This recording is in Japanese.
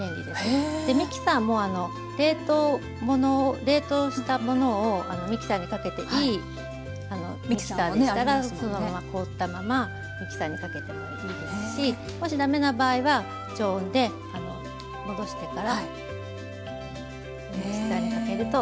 ミキサーも冷凍したものをミキサーにかけていいミキサーでしたらそのまま凍ったままミキサーにかけてもいいですしもし駄目な場合は常温で戻してからミキサーにかけると。